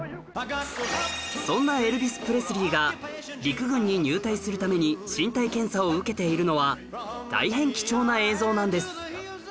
そんなエルヴィス・プレスリーが陸軍に入隊するために身体検査を受けているのは大変貴重な映像なんです